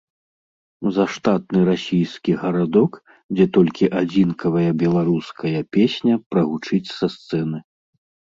Заштатны расійскі гарадок, дзе толькі адзінкавая беларуская песня прагучыць са сцэны.